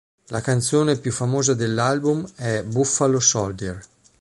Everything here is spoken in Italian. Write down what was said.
La canzone più famosa dell'album è "Buffalo Soldier".